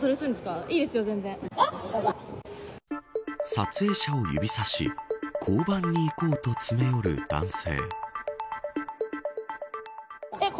撮影者を指さし交番に行こうと詰め寄る男性。